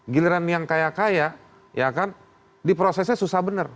giliran yang kaya kaya ya kan diprosesnya susah benar